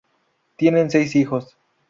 Tienen seis hijos.